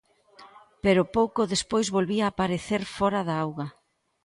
Pero pouco despois volvía aparecer fóra da auga.